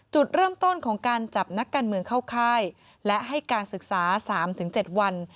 จุดเริ่มต้นของการจับนักการเมืองเข้าค่ายและให้การศึกษา๓๗วัน